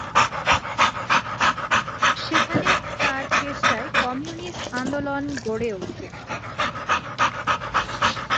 সেখানে তার চেষ্টায় কমিউনিস্ট আন্দোলন গড়ে ওঠে।